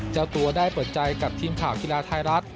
เจ้าตัวได้เปิดใจกับทีมข่าวกีฬาไทยรัฐ